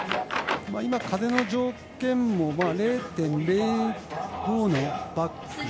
今、風の条件も０．０５のバック。